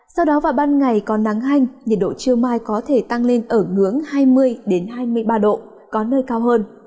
sau đó vào ban ngày có nắng hanh nhiệt độ trưa mai có thể tăng lên ở ngưỡng hai mươi hai mươi ba độ có nơi cao hơn